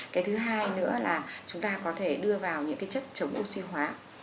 cái thứ hai nữa là chúng ta có thể đưa vào những cái chất chống oxy hóa